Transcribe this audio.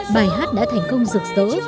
bài hát đã thành công rực rỡ